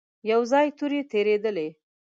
يو ځای تورې تېرېدلې.